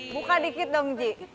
buka dikit dong ji